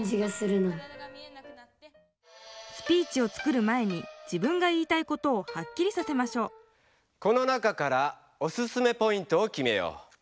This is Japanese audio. スピーチを作る前に自分が言いたいことをはっきりさせましょうこの中からオススメポイントをきめよう。